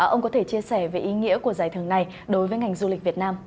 ông có thể chia sẻ về ý nghĩa của giải thưởng này đối với ngành du lịch việt nam